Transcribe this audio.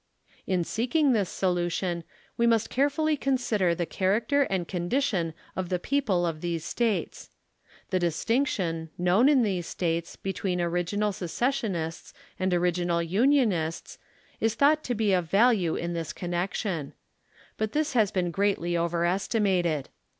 In seeking this solution, we must carefully consider the character and condition of the people of these States. The distinction, known in these States, between original secessionists and original Unionists is thought to be of value in this connection. But this has been greatly over estimated.